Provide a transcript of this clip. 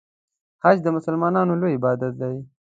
حج د مسلمانانو لوی عبادت دی.